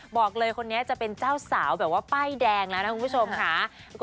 บอกเลยคนนี้จะเป็นเจ้าสาวแบบว่าป้ายแดงแล้วนะคุณผู้ชมค่ะ